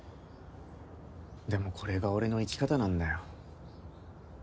でもこれが俺の生き方なんだよ。